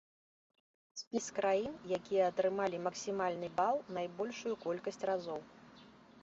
Спіс краін, якія атрымалі максімальны бал найбольшую колькасць разоў.